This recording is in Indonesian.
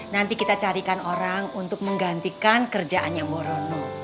nanti kita carikan orang untuk menggantikan kerjaannya mbak rono